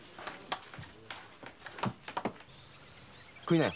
食いなよ。